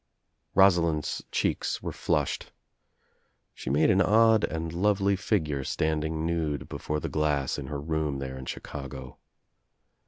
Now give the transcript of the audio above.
Rosalind's cheeks were flushed. She made an odd and lovely figure standing nude before the glass in her room there in Chicago.